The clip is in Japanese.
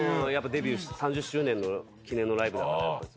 デビューして３０周年の記念のライブだから。